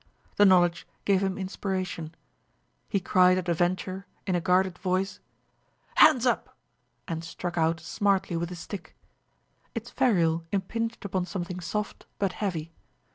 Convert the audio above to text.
The knowledge gave him inspiration. He cried at a venture, in a guarded voice, "Hands up!" and struck out smartly with his stick. Its ferrule impinged upon something soft but heavy.